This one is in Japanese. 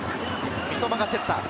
三笘が競った。